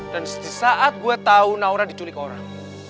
di saat gue tahu naura diculik orang